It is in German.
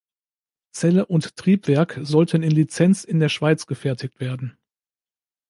Zelle und Triebwerk sollten in Lizenz in der Schweiz gefertigt werden.